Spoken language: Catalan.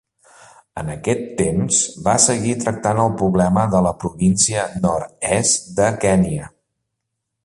En aquest temps va seguir tractant el problema de la província nord-est de Kenya.